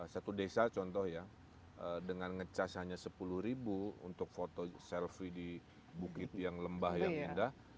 satu desa contoh ya dengan nge charge hanya sepuluh ribu untuk foto selfie di bukit yang lembah yang indah